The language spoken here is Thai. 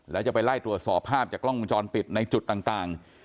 แล้วจะไปไล่ตรวจสอบภาพจากกล้องวงจรปิดในจุดต่าง